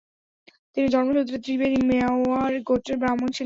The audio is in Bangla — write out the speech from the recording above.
তিনি জন্মসূত্রে ত্রিবেদী মেওয়াড় গোত্রের ব্রাহ্মণ ছিলেন।